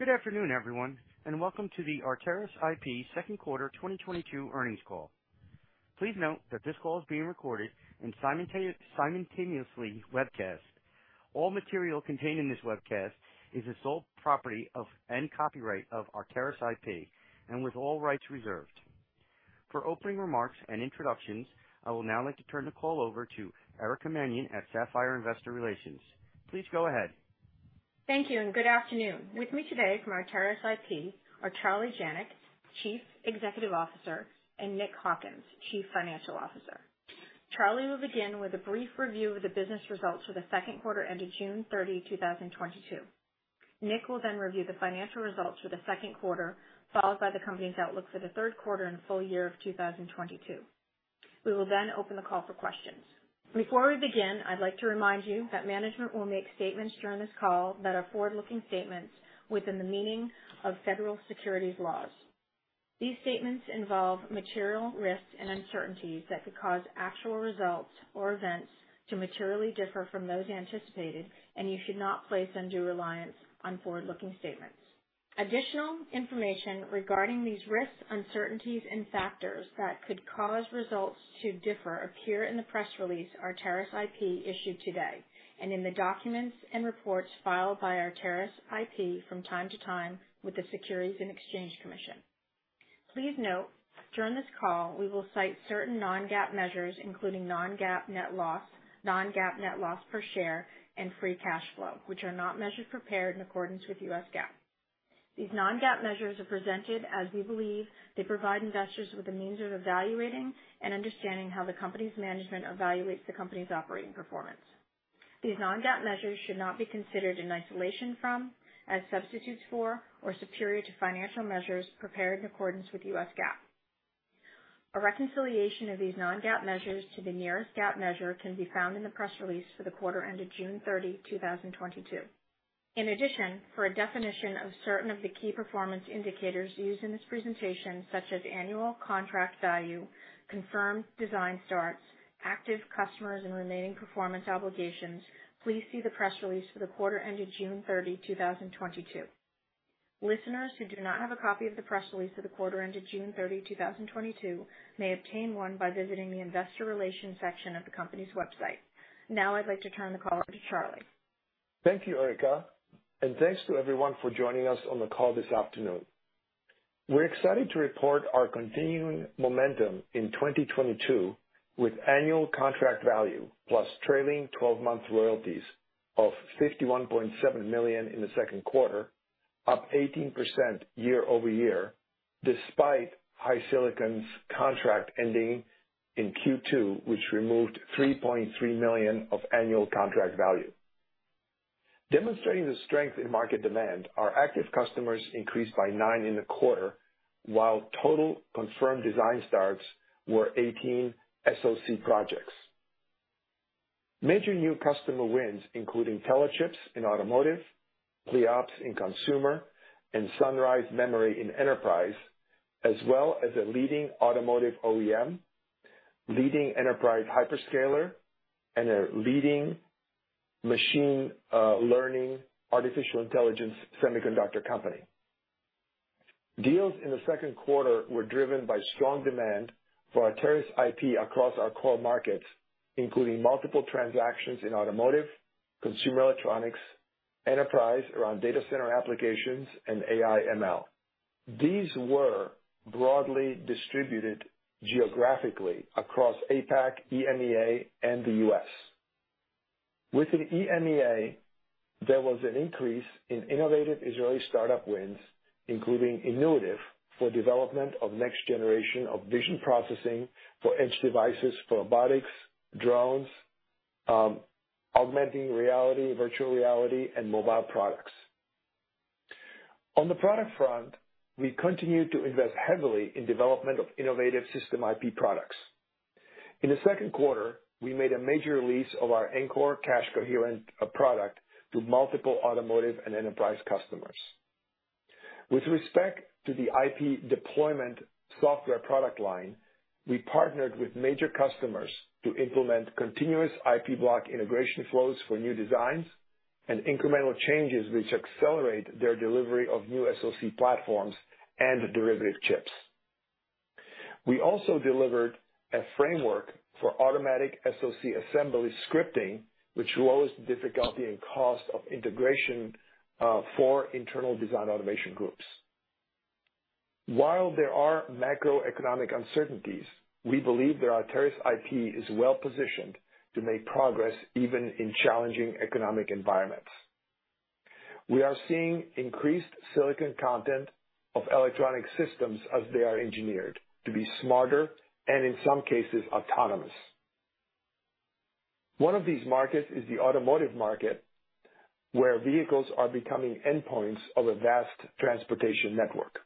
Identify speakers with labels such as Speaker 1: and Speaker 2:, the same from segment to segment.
Speaker 1: Good afternoon, everyone, and welcome to the Arteris IP second quarter 2022 earnings call. Please note that this call is being recorded and simultaneously webcast. All material contained in this webcast is the sole property of and copyright of Arteris IP and with all rights reserved. For opening remarks and introductions, I would now like to turn the call over to Erica Mannion at Sapphire Investor Relations. Please go ahead.
Speaker 2: Thank you and good afternoon. With me today from Arteris IP are Charlie Janac, Chief Executive Officer, and Nick Hawkins, Chief Financial Officer. Charlie will begin with a brief review of the business results for the second quarter ended June 30, 2022. Nick will then review the financial results for the second quarter, followed by the company's outlook for the third quarter and full year of 2022. We will then open the call for questions. Before we begin, I'd like to remind you that management will make statements during this call that are forward-looking statements within the meaning of federal securities laws. These statements involve material risks and uncertainties that could cause actual results or events to materially differ from those anticipated, and you should not place undue reliance on forward-looking statements. Additional information regarding these risks, uncertainties, and factors that could cause results to differ appear in the press release Arteris IP issued today, and in the documents and reports filed by Arteris IP from time to time with the Securities and Exchange Commission. Please note, during this call, we will cite certain non-GAAP measures, including non-GAAP net loss, non-GAAP net loss per share, and free cash flow, which are not measured or prepared in accordance with U.S. GAAP. These non-GAAP measures are presented as we believe they provide investors with a means of evaluating and understanding how the company's management evaluates the company's operating performance. These non-GAAP measures should not be considered in isolation from, as substitutes for, or superior to financial measures prepared in accordance with U.S. GAAP. A reconciliation of these non-GAAP measures to the nearest GAAP measure can be found in the press release for the quarter ended June 30, 2022. In addition, for a definition of certain of the key performance indicators used in this presentation, such as annual contract value, confirmed design starts, active customers and remaining performance obligations, please see the press release for the quarter ended June 30, 2022. Listeners who do not have a copy of the press release for the quarter ended June 30, 2022, may obtain one by visiting the investor relations section of the company's website. Now I'd like to turn the call over to Charlie.
Speaker 3: Thank you, Erica, and thanks to everyone for joining us on the call this afternoon. We're excited to report our continuing momentum in 2022 with annual contract value plus trailing twelve-month royalties of $51.7 million in the second quarter, up 18% year-over-year, despite HiSilicon's contract ending in Q2, which removed $3.3 million of annual contract value. Demonstrating the strength in market demand, our active customers increased by nine in the quarter, while total confirmed design starts were 18 SoC projects. Major new customer wins, including Telechips in automotive, Pliops in consumer, and SunRise Memory in enterprise, as well as a leading automotive OEM, leading enterprise hyperscaler, and a leading machine learning artificial intelligence semiconductor company. Deals in the second quarter were driven by strong demand for Arteris IP across our core markets, including multiple transactions in automotive, consumer electronics, enterprise around data center applications and AI/ML. These were broadly distributed geographically across APAC, EMEA, and the U.S. Within EMEA, there was an increase in innovative Israeli startup wins, including Inuitive for development of next generation of vision processing for edge devices, robotics, drones, augmenting reality, virtual reality, and mobile products. On the product front, we continue to invest heavily in development of innovative system IP products. In the second quarter, we made a major release of our Ncore cache coherent product to multiple automotive and enterprise customers. With respect to the IP deployment software product line, we partnered with major customers to implement continuous IP block integration flows for new designs and incremental changes which accelerate their delivery of new SoC platforms and derivative chips. We also delivered a framework for automatic SoC assembly scripting, which lowers the difficulty and cost of integration for internal design automation groups. While there are macroeconomic uncertainties, we believe that Arteris IP is well positioned to make progress even in challenging economic environments. We are seeing increased silicon content of electronic systems as they are engineered to be smarter and, in some cases, autonomous. One of these markets is the automotive market, where vehicles are becoming endpoints of a vast transportation network.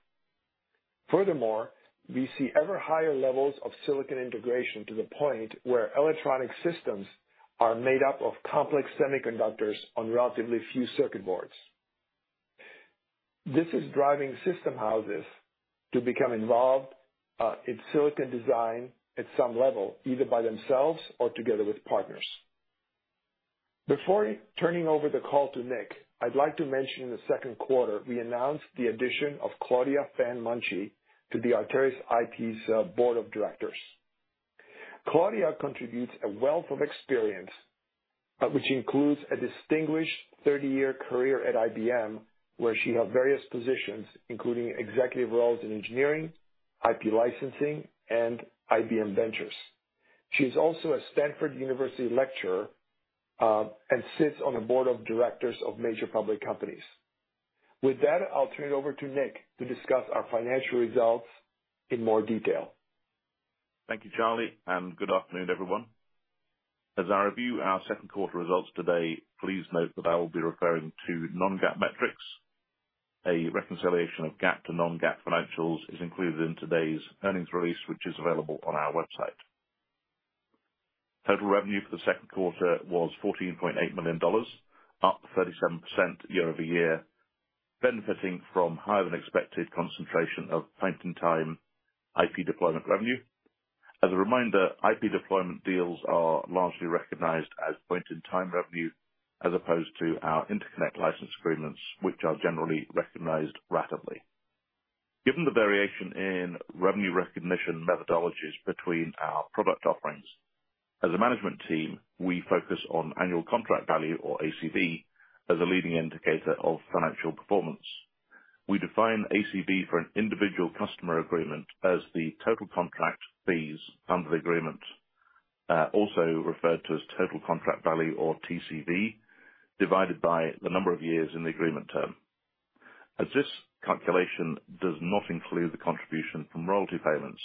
Speaker 3: Furthermore, we see ever higher levels of silicon integration to the point where electronic systems are made up of complex semiconductors on relatively few circuit boards. This is driving system houses to become involved in silicon design at some level, either by themselves or together with partners. Before turning over the call to Nick, I'd like to mention in the second quarter, we announced the addition of Claudia Fan Munce to the Arteris IP's board of directors. Claudia contributes a wealth of experience, which includes a distinguished 30-year career at IBM, where she held various positions, including executive roles in engineering, IP licensing, and IBM Ventures. She's also a Stanford University lecturer, and sits on the board of directors of major public companies. With that, I'll turn it over to Nick to discuss our financial results in more detail.
Speaker 4: Thank you, Charlie, and good afternoon, everyone. As I review our second quarter results today, please note that I will be referring to non-GAAP metrics. A reconciliation of GAAP to non-GAAP financials is included in today's earnings release, which is available on our website. Total revenue for the second quarter was $14.8 million, up 37% year-over-year, benefiting from higher than expected concentration of point-in-time IP deployment revenue. As a reminder, IP deployment deals are largely recognized as point-in-time revenue, as opposed to our interconnect license agreements, which are generally recognized ratably. Given the variation in revenue recognition methodologies between our product offerings, as a management team, we focus on annual contract value, or ACV, as a leading indicator of financial performance. We define ACV for an individual customer agreement as the total contract fees under the agreement, also referred to as total contract value or TCV, divided by the number of years in the agreement term. As this calculation does not include the contribution from royalty payments,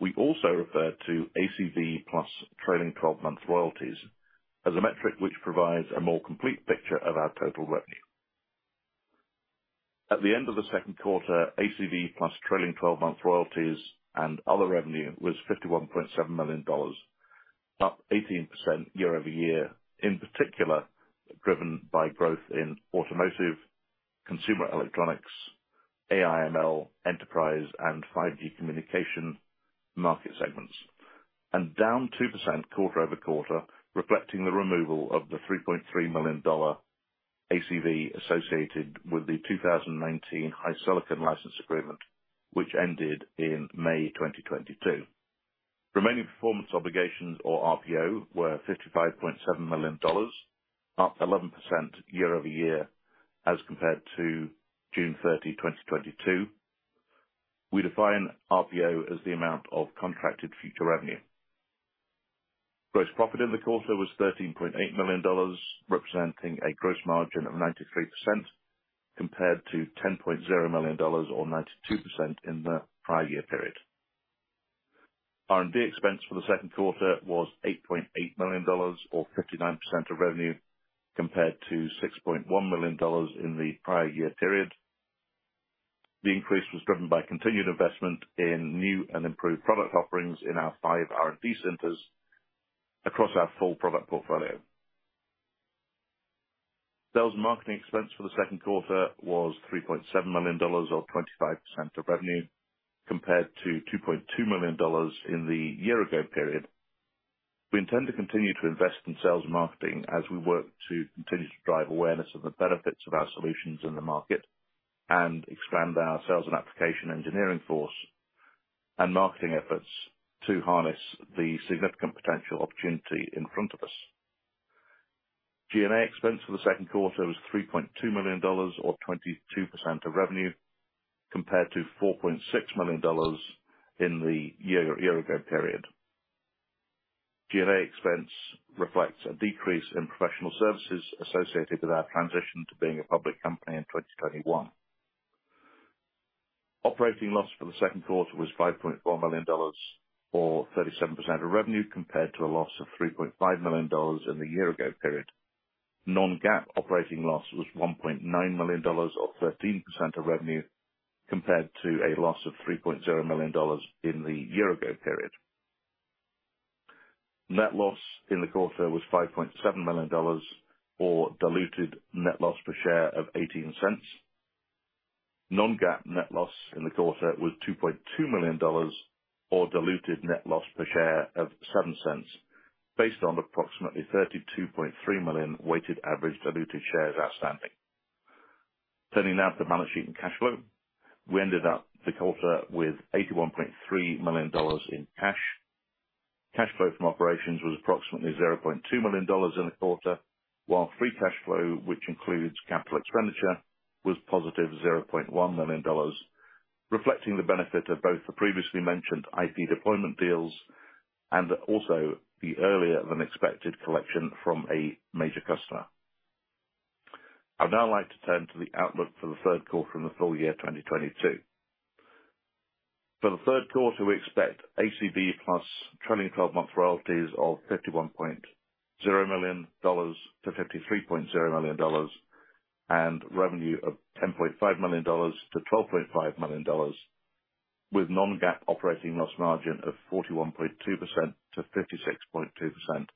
Speaker 4: we also refer to ACV plus trailing twelve-month royalties as a metric which provides a more complete picture of our total revenue. At the end of the second quarter, ACV plus trailing twelve-month royalties and other revenue was $51.7 million, up 18% year-over-year, in particular driven by growth in automotive, consumer electronics, AI/ML, enterprise, and 5G communication market segments, and down 2% quarter-over-quarter, reflecting the removal of the $3.3 million ACV associated with the 2019 HiSilicon license agreement, which ended in May 2022. Remaining Performance Obligations or RPO were $55.7 million, up 11% year-over-year as compared to June 30, 2022. We define RPO as the amount of contracted future revenue. Gross profit in the quarter was $13.8 million, representing a gross margin of 93%, compared to $10.0 million or 92% in the prior year period. R&D expense for the second quarter was $8.8 million or 59% of revenue, compared to $6.1 million in the prior year period. The increase was driven by continued investment in new and improved product offerings in our five R&D centers across our full product portfolio. Sales and marketing expense for the second quarter was $3.7 million or 25% of revenue, compared to $2.2 million in the year-ago period. We intend to continue to invest in sales and marketing as we work to continue to drive awareness of the benefits of our solutions in the market and expand our sales and application engineering force and marketing efforts to harness the significant potential opportunity in front of us. G&A expense for the second quarter was $3.2 million or 22% of revenue, compared to $4.6 million in the year-ago period. G&A expense reflects a decrease in professional services associated with our transition to being a public company in 2021. Operating loss for the second quarter was $5.4 million or 37% of revenue, compared to a loss of $3.5 million in the year-ago period. Non-GAAP operating loss was $1.9 million or 13% of revenue, compared to a loss of $3.0 million in the year-ago period. Net loss in the quarter was $5.7 million or diluted net loss per share of $0.18. non-GAAP net loss in the quarter was $2.2 million or diluted net loss per share of $0.07, based on approximately 32.3 million weighted average diluted shares outstanding. Turning now to the balance sheet and cash flow. We ended up the quarter with $81.3 million in cash. Cash flow from operations was approximately $0.2 million in the quarter, while free cash flow, which includes capital expenditure, was +$0.1 million, reflecting the benefit of both the previously mentioned IP deployment deals and also the earlier than expected collection from a major customer. I'd now like to turn to the outlook for the third quarter and the full year 2022. For the third quarter, we expect ACV plus trailing twelve-month royalties of $51.0 million-$53.0 million and revenue of $10.5 million-$12.5 million with non-GAAP operating loss margin of 41.2%-56.2%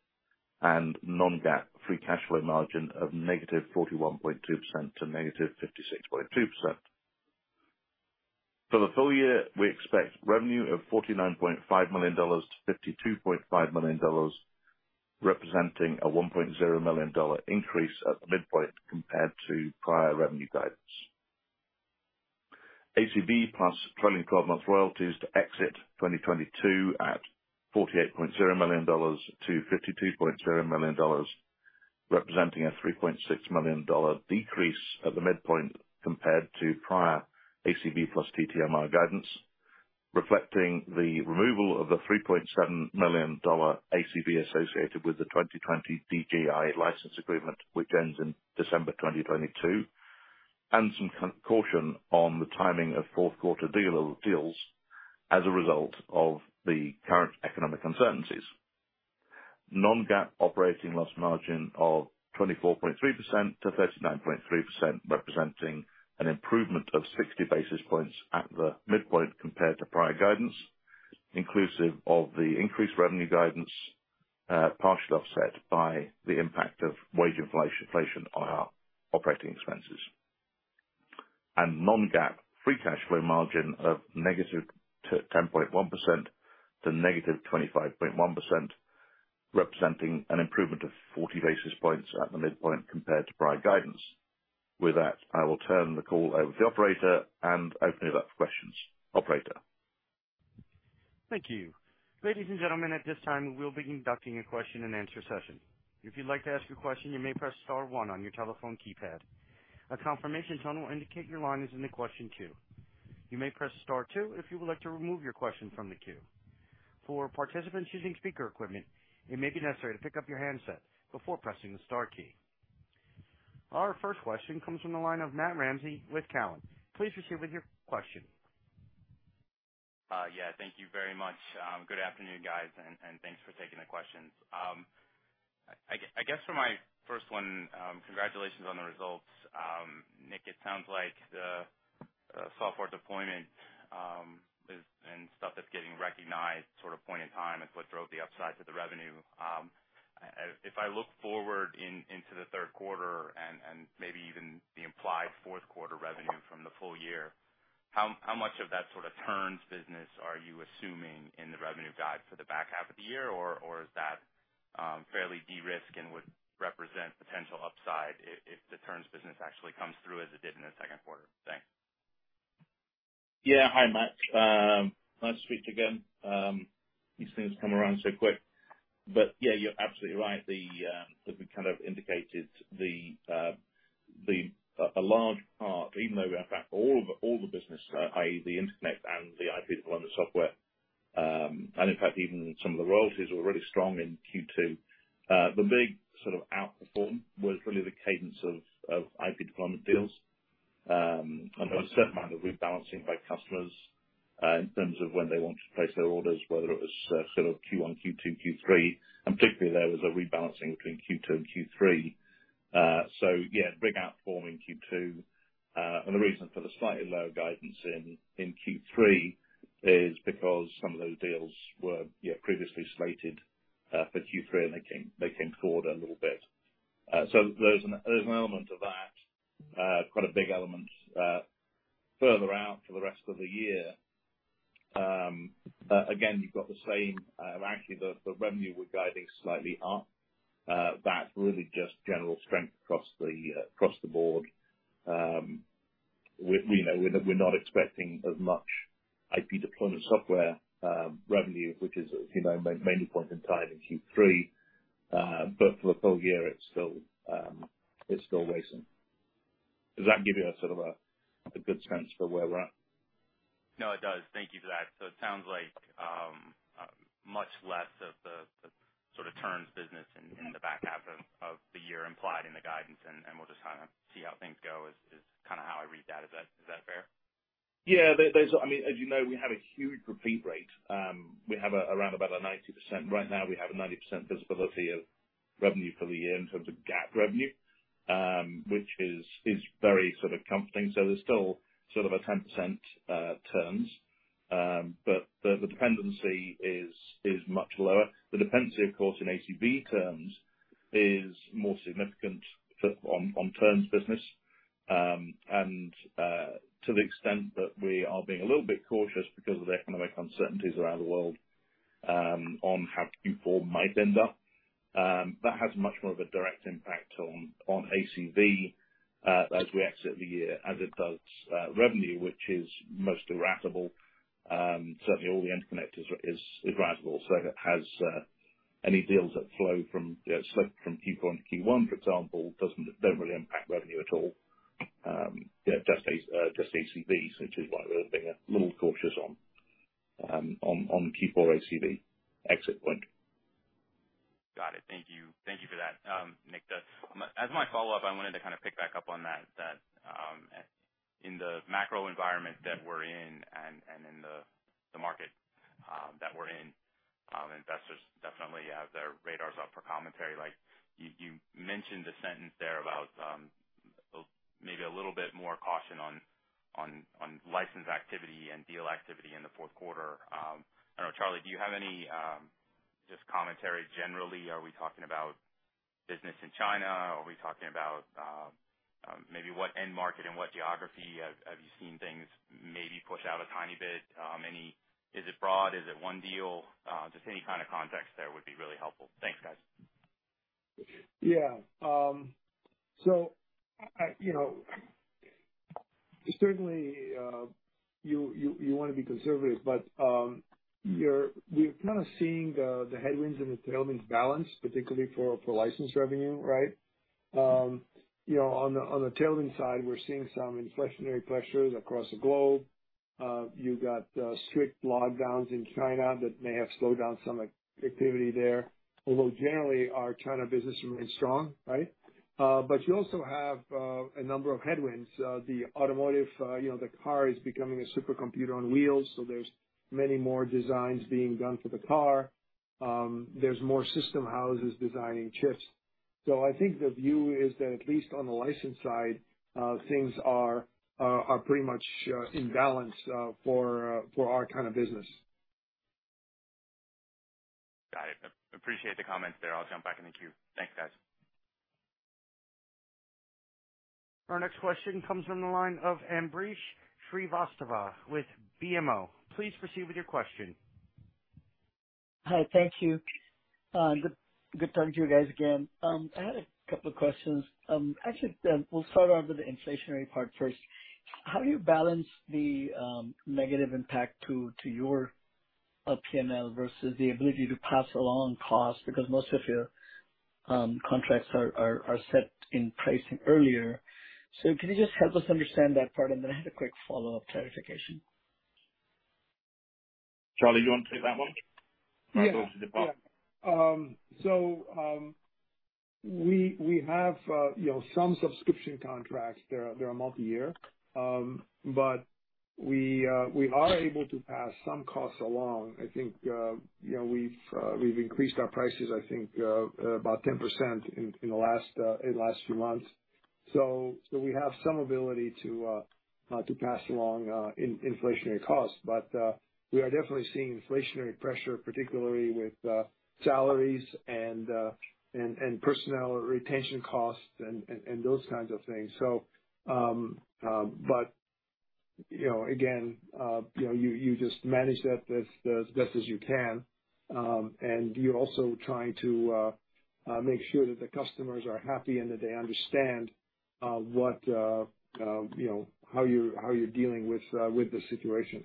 Speaker 4: and non-GAAP free cash flow margin of -41.2% to -56.2%. For the full year, we expect revenue of $49.5 million-$52.5 million, representing a $1.0 million increase at the midpoint compared to prior revenue guidance. ACV plus trailing twelve month royalties to exit 2022 at $48.0 million-$52.0 million, representing a $3.6 million decrease at the midpoint compared to prior ACV plus TTMR guidance, reflecting the removal of the $3.7 million ACV associated with the 2020 DJI license agreement, which ends in December 2022, and some caution on the timing of fourth quarter deals as a result of the current economic uncertainties. Non-GAAP operating loss margin of 24.3%-39.3%, representing an improvement of 60 basis points at the midpoint compared to prior guidance, inclusive of the increased revenue guidance, partially offset by the impact of wage inflation on our operating expenses. Non-GAAP free cash flow margin of -10.1% to -25.1%, representing an improvement of 40 basis points at the midpoint compared to prior guidance. With that, I will turn the call over to the operator and open it up for questions. Operator?
Speaker 1: Thank you. Ladies and gentlemen, at this time, we'll be conducting a question and answer session. If you'd like to ask a question, you may press star one on your telephone keypad. A confirmation tone will indicate your line is in the question queue. You may press star two if you would like to remove your question from the queue. For participants using speaker equipment, it may be necessary to pick up your handset before pressing the star key. Our first question comes from the line of Matt Ramsay with Cowen. Please proceed with your question.
Speaker 5: Yeah, thank you very much. Good afternoon, guys, and thanks for taking the questions. I guess for my first one, congratulations on the results. Nick, it sounds like the software deployment and stuff that's getting recognized sort of point in time is what drove the upside to the revenue. If I look forward into the third quarter and maybe even the implied fourth quarter revenue from the full year, how much of that sort of turns business are you assuming in the revenue guide for the back half of the year? Or is that fairly de-risked and would represent potential upside if the turns business actually comes through as it did in the second quarter? Thanks.
Speaker 4: Yeah. Hi, Matt. Nice to speak to you again. These things come around so quick, but yeah, you're absolutely right. As we kind of indicated, a large part, even though we have, in fact, all the business, i.e. the interconnect and the IP deployment software, and in fact, even some of the royalties were really strong in Q2. The big sort of outperform was really the cadence of IP deployment deals, and there was a certain amount of rebalancing by customers in terms of when they wanted to place their orders, whether it was sort of Q1, Q2, Q3, and particularly there was a rebalancing between Q2 and Q3. Yeah, big outperforming Q2. The reason for the slightly lower guidance in Q3 is because some of those deals were previously slated for Q3 and they came forward a little bit. There's an element of that, quite a big element. Further out for the rest of the year, again, you've got the same, actually the revenue we're guiding slightly up, that's really just general strength across the board. We know we're not expecting as much IP deployment software revenue, which is, you know, mainly point in time in Q3. For the full year it's still decent. Does that give you a good sense for where we're at?
Speaker 5: No, it does. Thank you for that. It sounds like much less of the sort of turns business in the back half of the year implied in the guidance and we'll just kinda see how things go is kind of how I read that. Is that fair?
Speaker 4: Yeah. There's, I mean, as you know, we have a huge repeat rate. We have around about a 90%. Right now we have a 90% visibility of revenue for the year in terms of GAAP revenue, which is very sort of comforting. There's still sort of a 10%, turns, but the dependency is much lower. The dependency of course in ACV terms is more significant on turns business. To the extent that we are being a little bit cautious because of the economic uncertainties around the world, on how Q4 might end up, that has much more of a direct impact on ACV as we exit the year as it does revenue, which is most ratable. Certainly all the interconnect is ratable, so it has any deals that flow from, you know, slip from Q4 into Q1, for example, don't really impact revenue at all. Yeah, just ACV, which is why we're being a little cautious on Q4 ACV exit point.
Speaker 5: Got it. Thank you. Thank you for that, Nick. As my follow-up, I wanted to kind of pick back up on that in the macro environment that we're in and in the market that we're in, investors definitely have their radars up for commentary. Like, you mentioned a sentence there about maybe a little bit more caution on license activity and deal activity in the fourth quarter. I know Charlie, do you have any just commentary generally, are we talking about business in China? Are we talking about maybe what end market and what geography have you seen things maybe push out a tiny bit? Any? Is it broad? Is it one deal? Just any kind of context there would be really helpful. Thanks, guys.
Speaker 3: Yeah. I, you know, certainly, you wanna be conservative, but, we're kind of seeing the headwinds and the tailwinds balance, particularly for license revenue, right? You know, on the tailwind side, we're seeing some inflationary pressures across the globe. You got strict lockdowns in China that may have slowed down some activity there, although generally our China business remains strong, right? You also have a number of headwinds. The automotive, you know, the car is becoming a supercomputer on wheels, so there's many more designs being done for the car. There's more system houses designing chips. I think the view is that at least on the license side, things are pretty much in balance for our kind of business.
Speaker 5: Got it. Appreciate the comments there. I'll jump back in the queue. Thanks, guys.
Speaker 1: Our next question comes from the line of Ambrish Srivastava with BMO. Please proceed with your question.
Speaker 6: Hi. Thank you. Good talking to you guys again. I had a couple of questions. Actually, we'll start off with the inflationary part first. How do you balance the negative impact to your P&L versus the ability to pass along costs because most of your contracts are set in pricing earlier. Can you just help us understand that part? I had a quick follow-up clarification.
Speaker 4: Charlie, do you want to take that one?
Speaker 3: Yeah. We have you know some subscription contracts that are they're multi-year. We are able to pass some costs along. I think you know we've increased our prices I think about 10% in the last few months. We have some ability to pass along inflationary costs. We are definitely seeing inflationary pressure particularly with salaries and personnel retention costs and those kinds of things. You know again you know you just manage that as best as you can. You're also trying to make sure that the customers are happy and that they understand what you know how you're dealing with the situation.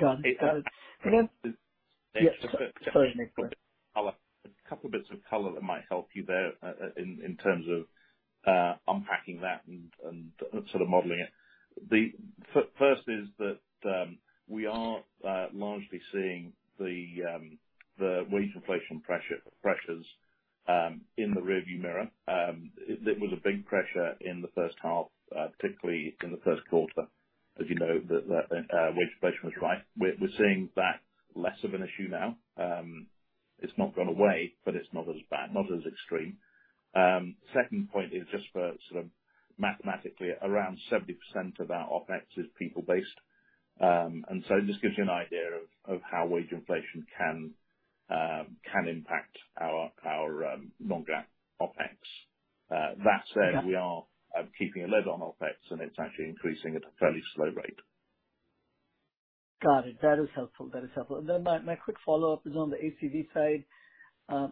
Speaker 6: Got it.
Speaker 4: Hey.
Speaker 6: Go ahead.
Speaker 3: Nick.
Speaker 6: Yeah. Sorry, Nick, go ahead.
Speaker 4: A couple bits of color that might help you there in terms of unpacking that and sort of modeling it. First is that we are largely seeing the wage inflation pressures in the rearview mirror. It was a big pressure in the first half, particularly in the first quarter, as you know, the wage pressure was rife. We're seeing that less of an issue now. It's not gone away, but it's not as bad, not as extreme. Second point is just for sort of mathematically, around 70% of our OpEx is people-based. It just gives you an idea of how wage inflation can impact our non-GAAP OpEx. That said...
Speaker 6: Got it.
Speaker 4: We are keeping a lid on OpEx, and it's actually increasing at a fairly slow rate.
Speaker 6: Got it. That is helpful. That is helpful. My quick follow-up is on the ACV side.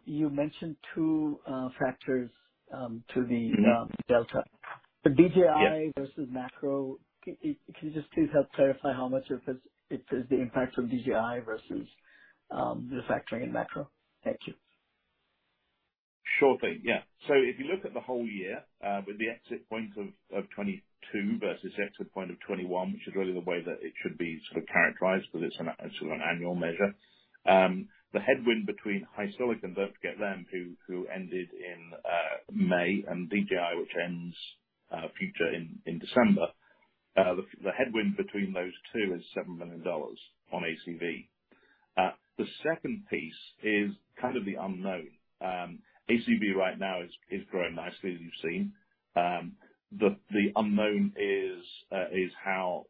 Speaker 6: You mentioned two factors to the-
Speaker 4: Mm-hmm.
Speaker 6: ...Delta. The DJI...
Speaker 4: Yeah.
Speaker 6: ...versus macro. Could you just please help clarify how much of this is the impact from DJI versus the factoring in macro? Thank you.
Speaker 4: Sure thing. Yeah. If you look at the whole year, with the exit point of 2022 versus exit point of 2021, which is really the way that it should be sort of characterized, but it's sort of an annual measure. The headwind between HiSilicon, don't forget them, who ended in May, and DGI, which ends in December. The headwind between those two is $7 million on ACV. The second piece is kind of the unknown. ACV right now is growing nicely, as you've seen. The unknown is how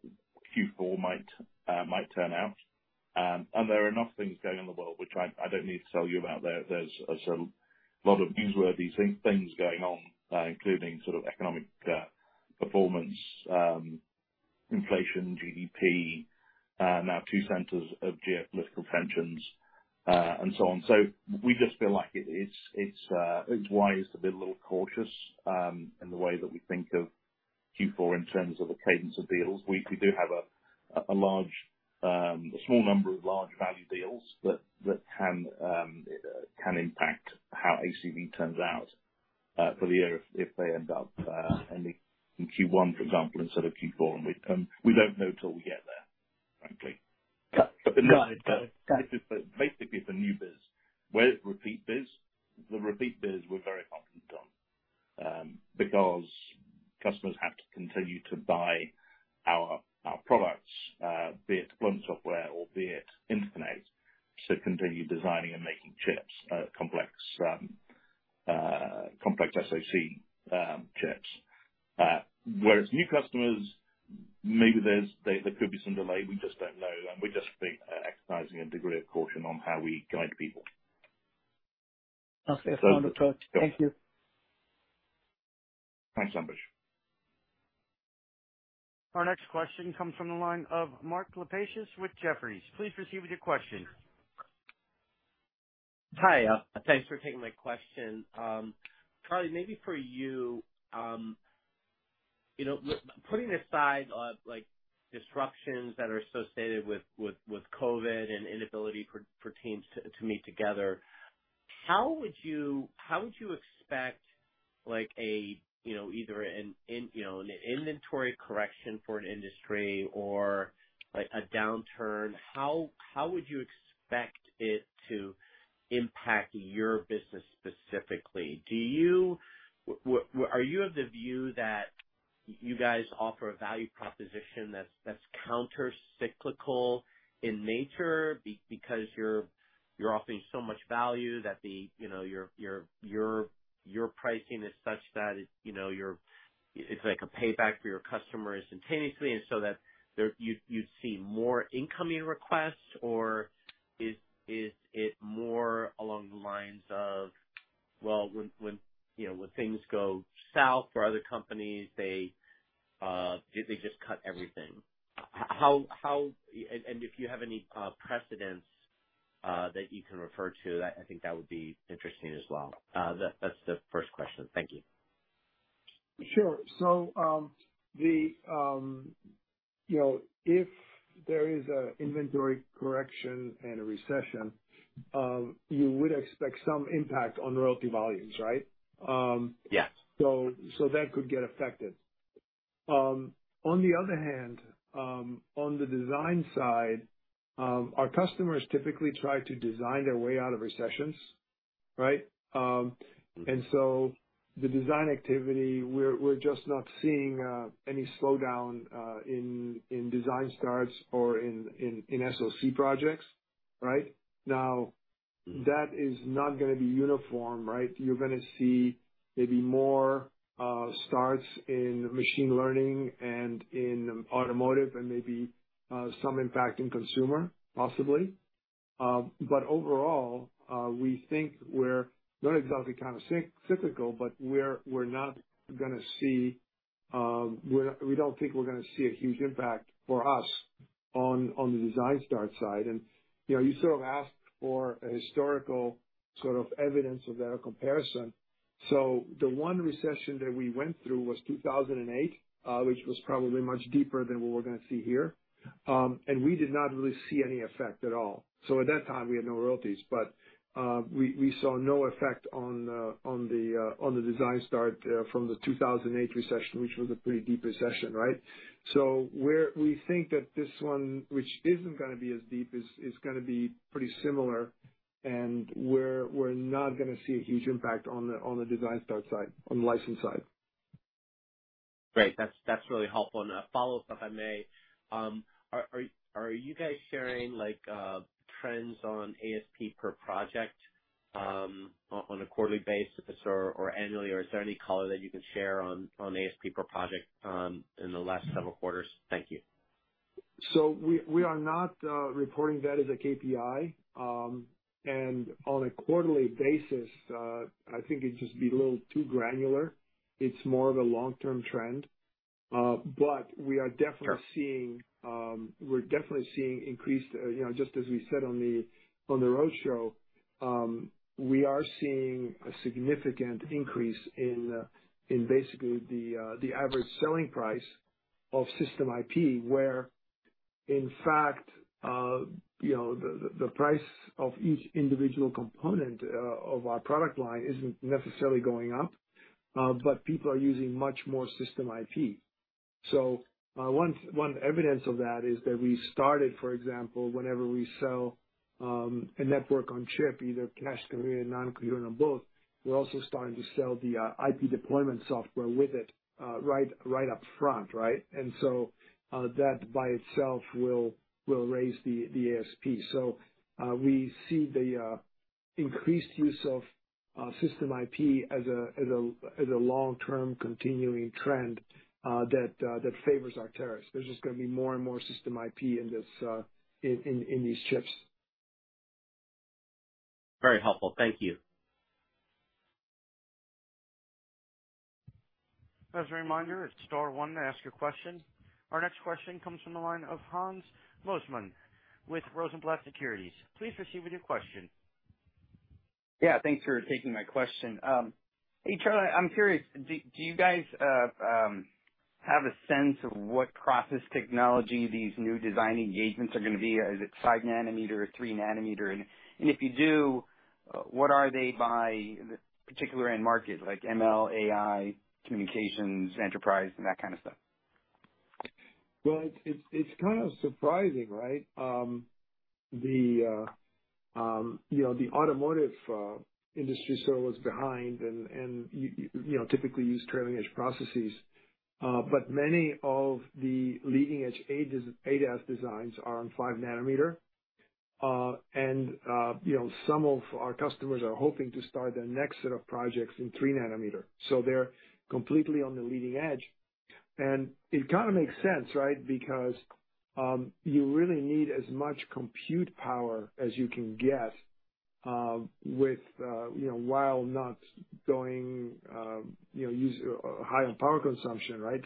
Speaker 4: Q4 might turn out. There are enough things going on in the world which I don't need to tell you about. There's a lot of newsworthy things going on, including sort of economic performance, inflation, GDP, now two centers of geopolitical tensions, and so on. We just feel like it's wise to be a little cautious in the way that we think of Q4 in terms of the cadence of deals. We do have a small number of large value deals that can impact how ACV turns out for the year if they end up ending in Q1, for example, instead of Q4. We don't know till we get there, frankly.
Speaker 6: Got it.
Speaker 4: Basically for new biz. For the repeat biz, we're very confident on, because customers have to continue to buy our products, be it IP deployment software or be it interconnect, to continue designing and making complex SoC chips. Whereas new customers-
Speaker 3: There could be some delay, we just don't know. We just think exercising a degree of caution on how we guide people.
Speaker 6: Okay. Understandable. Thank you.
Speaker 3: Thanks, Ambrish.
Speaker 1: Our next question comes from the line of Mark Lipacis with Jefferies. Please proceed with your question.
Speaker 7: Hi, thanks for taking my question. Charlie, maybe for you know, putting aside, like, disruptions that are associated with COVID and inability for teams to meet together, how would you expect, like, a, you know, either an inventory correction for an industry or, like, a downturn, how would you expect it to impact your business specifically? Are you of the view that you guys offer a value proposition that's countercyclical in nature because you're offering so much value that the, you know, your pricing is such that it, you know, you're it's like a payback for your customer instantaneously, and so you'd see more incoming requests? Is it more along the lines of, well, when you know, when things go south for other companies, they just cut everything. If you have any precedents that you can refer to, I think that would be interesting as well. That's the first question. Thank you.
Speaker 3: Sure. You know, if there is a inventory correction and a recession, you would expect some impact on royalty volumes, right?
Speaker 7: Yes.
Speaker 3: That could get affected. On the other hand, on the design side, our customers typically try to design their way out of recessions, right?
Speaker 7: Mm-hmm.
Speaker 3: The design activity, we're just not seeing any slowdown in design starts or in SoC projects, right?
Speaker 7: Mm.
Speaker 3: That is not gonna be uniform, right? You're gonna see maybe more starts in machine learning and in automotive and maybe some impact in consumer, possibly. Overall, we think we're not exactly countercyclical, but we're not gonna see, we don't think we're gonna see a huge impact for us on the design start side. You know, you sort of asked for a historical sort of evidence of that, a comparison. The one recession that we went through was 2008, which was probably much deeper than what we're gonna see here. We did not really see any effect at all. At that time, we had no royalties, but we saw no effect on the design start from the 2008 recession, which was a pretty deep recession, right? We think that this one, which isn't gonna be as deep, is gonna be pretty similar, and we're not gonna see a huge impact on the design start side, on the license side.
Speaker 7: Great. That's really helpful. A follow-up, if I may. Are you guys sharing, like, trends on ASP per project, on a quarterly basis or annually, or is there any color that you can share on ASP per project in the last several quarters? Thank you.
Speaker 3: We are not reporting that as a KPI. On a quarterly basis, I think it'd just be a little too granular. It's more of a long-term trend. We are definitely...
Speaker 7: Sure.
Speaker 3: We're definitely seeing increased, you know, just as we said on the roadshow, we are seeing a significant increase in basically the average selling price of system IP, where, in fact, you know, the price of each individual component of our product line isn't necessarily going up, but people are using much more system IP. One evidence of that is that we started, for example, whenever we sell a network on chip, either cache coherent, non-coherent, or both, we're also starting to sell the IP deployment software with it, right up front, right? That by itself will raise the ASP. We see the increased use of system IP as a long-term continuing trend that favors Arteris. There's just gonna be more and more system IP in these chips.
Speaker 7: Very helpful. Thank you.
Speaker 1: As a reminder, it's star one to ask a question. Our next question comes from the line of Hans Mosesmann with Rosenblatt Securities. Please proceed with your question.
Speaker 8: Yeah, thanks for taking my question. Hey, Charlie, I'm curious, do you guys have a sense of what process technology these new design engagements are gonna be? Is it 5 nm or 3 nm? If you do, what are they by the particular end market like ML, AI, communications, enterprise, and that kind of stuff?
Speaker 3: It's kind of surprising, right? You know, the automotive industry sort of was behind and typically use trailing edge processes. But many of the leading edge ADAS designs are on 5 nm. You know, some of our customers are hoping to start their next set of projects in 3 nm, so they're completely on the leading edge. It kind of makes sense, right? Because you really need as much compute power as you can get, you know, while not going, you know, use high-end power consumption, right?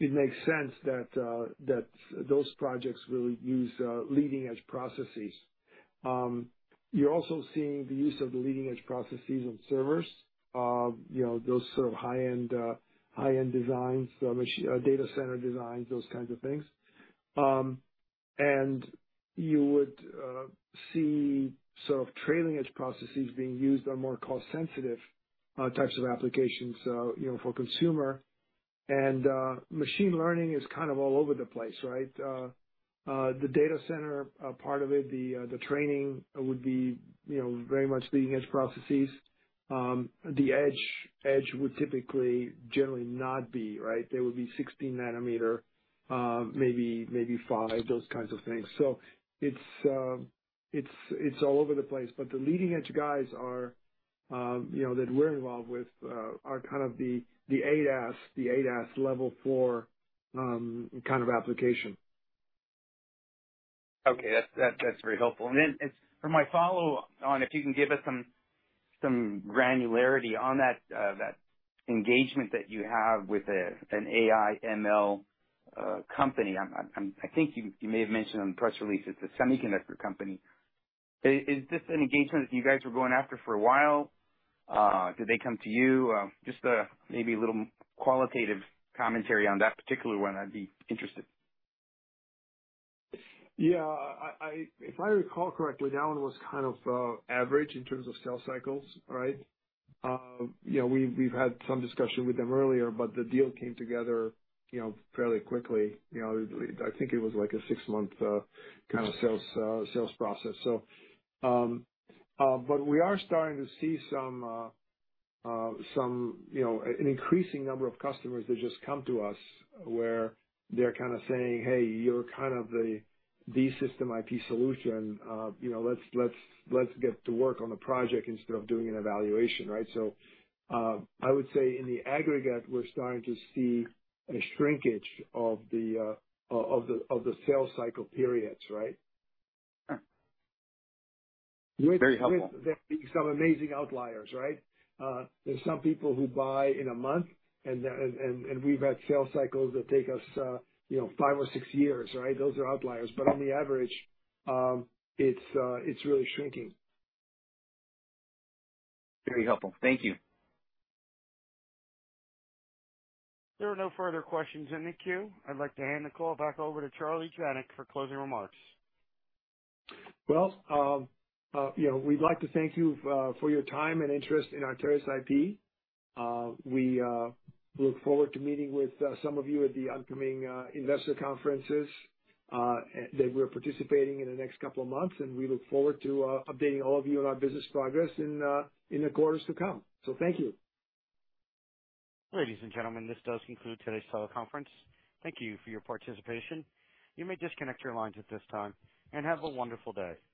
Speaker 3: It makes sense that those projects will use leading edge processes. You're also seeing the use of the leading edge processes on servers. You know, those sort of high-end designs, data center designs, those kinds of things. You would see sort of trailing edge processes being used on more cost sensitive types of applications, you know, for consumer. Machine learning is kind of all over the place, right? The data center part of it, the training would be, you know, very much leading edge processes. The edge would typically generally not be, right? They would be 16-nm, maybe 5, those kinds of things. It's all over the place. The leading edge guys that we're involved with are kind of the ADAS level 4 kind of application.
Speaker 8: Okay. That's very helpful. For my follow on, if you can give us some granularity on that engagement that you have with an AI/ML company. I think you may have mentioned on the press release it's a semiconductor company. Is this an engagement that you guys were going after for a while? Did they come to you? Just maybe a little qualitative commentary on that particular one. I'd be interested.
Speaker 3: Yeah. If I recall correctly, that one was kind of average in terms of sales cycles, right? You know, we've had some discussion with them earlier, but the deal came together, you know, fairly quickly. You know, I think it was like a six-month kind of sales process. We are starting to see some, you know, an increasing number of customers that just come to us where they're kind of saying, "Hey, you're kind of the system IP solution. You know, let's get to work on a project instead of doing an evaluation," right? I would say in the aggregate, we're starting to see a shrinkage of the sales cycle periods, right?
Speaker 8: Sure. Very helpful.
Speaker 3: There being some amazing outliers, right? There's some people who buy in a month, and we've had sales cycles that take us, you know, five or six years, right? Those are outliers, but on the average, it's really shrinking.
Speaker 8: Very helpful. Thank you.
Speaker 1: There are no further questions in the queue. I'd like to hand the call back over to Charlie Janac for closing remarks.
Speaker 3: Well, you know, we'd like to thank you for your time and interest in Arteris IP. We look forward to meeting with some of you at the upcoming investor conferences that we're participating in the next couple of months. We look forward to updating all of you on our business progress in the quarters to come. Thank you.
Speaker 1: Ladies and gentlemen, this does conclude today's teleconference. Thank you for your participation. You may disconnect your lines at this time, and have a wonderful day.